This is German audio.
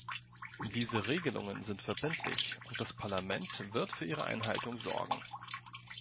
Diese Regelungen sind verbindlich und das Parlament wird für ihre Einhaltung sorgen.